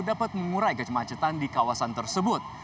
dapat mengurai kemacetan di kawasan tersebut